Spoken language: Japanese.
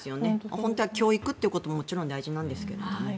本当は教育ということももちろん大事なんですけどね。